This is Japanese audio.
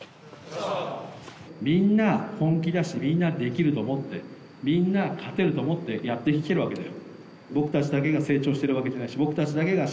みんな本気出してみんなできると思ってみんな勝てると思ってやってきてるわけだよ